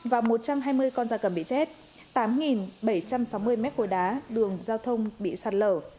và một trăm hai mươi con da cầm bị chết tám bảy trăm sáu mươi mét khối đá đường giao thông bị sạt lở